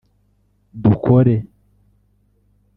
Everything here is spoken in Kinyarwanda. dukore